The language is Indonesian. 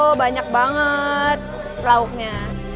oh banyak banget lauknya